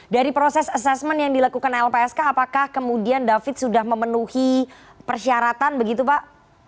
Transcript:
dari proses asesmen yang dilakukan lpsk apakah kemudian david sudah memenuhi persyaratan begitu pak